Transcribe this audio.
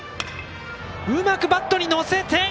うまくバットに乗せた！